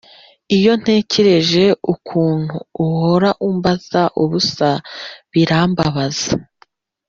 Iyo ntekereje ukuntu uhora umbaza ubusa birambabaza